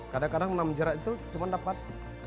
kadang kadang enam jera itu cuma dapat satu